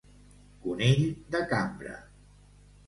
Conill de cambra.